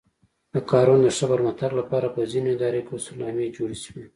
د کارونو د ښه پرمختګ لپاره په ځینو ادارو کې اصولنامې جوړې شوې.